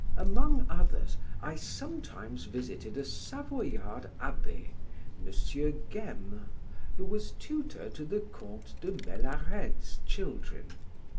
Among others, I sometimes visited a Savoyard abbe, M. Gaime, who was tutor to the Count of Melarede's children.